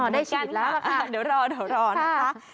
ได้ฉีดแล้วค่ะเดี๋ยวรอนะคะ